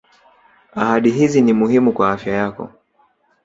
ahadi hizi ni muhimu kwa afya yako